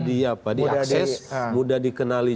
diakses mudah dikenali